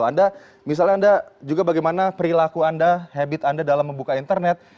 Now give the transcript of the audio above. anda misalnya anda juga bagaimana perilaku anda habit anda dalam membuka internet